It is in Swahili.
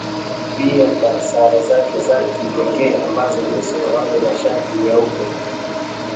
pia kwa sare zake za kipekee ambazo ni suruali na shati nyeupe